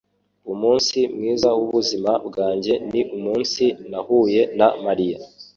Umunsi mwiza wubuzima bwanjye ni umunsi nahuye na Mariya.